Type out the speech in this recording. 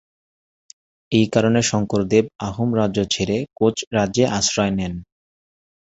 এই কারণে শংকরদেব আহোম রাজ্য ছেড়ে কোচ রাজ্যে আশ্রয় নেন।